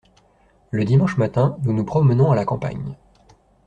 Le dimanche matin nous nous promenons à la campagne.